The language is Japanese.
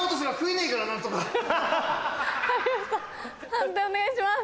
判定お願いします。